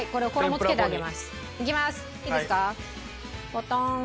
ポトン。